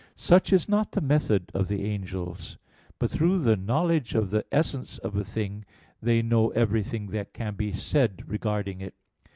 Such is not the method of the angels; but through the (knowledge of the) essence of a thing they know everything that can be said regarding it.